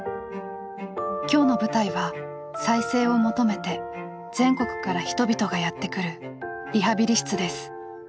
今日の舞台は再生を求めて全国から人々がやって来るリハビリ室です。